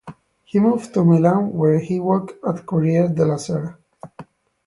He moved to Milan where he worked at Corriere della Sera.